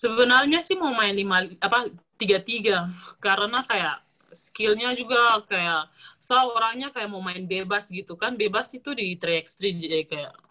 sebenarnya sih mau main tiga puluh tiga karena kayak skill nya juga kayak soalnya kayak mau main bebas gitu kan bebas itu di triekstri jadi kayak